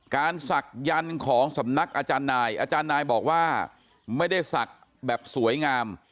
ศักดิ์ของสำนักอาจารย์นายอาจารย์นายบอกว่าไม่ได้ศักดิ์แบบสวยงาม